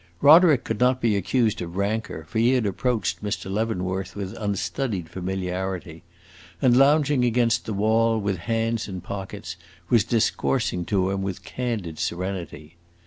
Roderick could not be accused of rancor, for he had approached Mr. Leavenworth with unstudied familiarity, and, lounging against the wall, with hands in pockets, was discoursing to him with candid serenity.